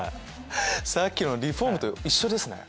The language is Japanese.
さっきのリフォームと一緒ですね。